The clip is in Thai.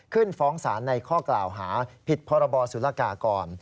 ฟ้องศาลในข้อกล่าวหาผิดพรบสุรกากร